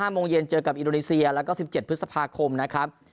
โมงเย็นเจอกับอินโดนีเซียแล้วก็๑๗พฤษภาคมนะครับ